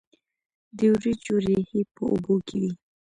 د وریجو ریښې په اوبو کې وي.